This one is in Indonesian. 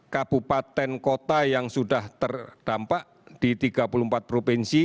empat ratus enam puluh empat kabupaten kota yang sudah terdampak di tiga puluh empat provinsi